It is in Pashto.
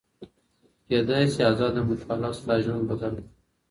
کيدای سي ازاده مطالعه ستا ژوند بدل کړي.